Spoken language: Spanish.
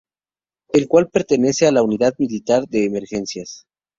El cual pertenece a la Unidad Militar de Emergencias.